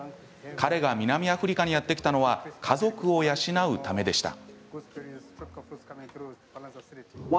彼が南アフリカにやって来たのは家族を養うためでした。